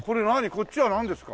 こっちはなんですか？